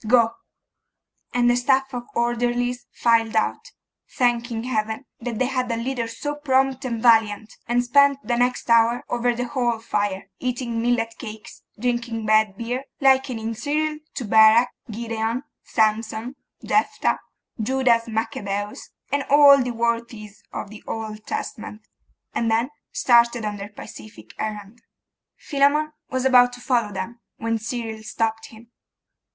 Go.' And the staff of orderlies filed out, thanking Heaven that they had a leader so prompt and valiant, and spent the next hour over the hall fire, eating millet cakes, drinking bad beer, likening Cyril to Barak, Gideon, Samson, Jephtha, Judas Maccabeus, and all the worthies of the Old Testament, and then started on their pacific errand. Philammon was about to follow them, when Cyril stopped him.